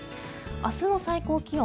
明日の最高気温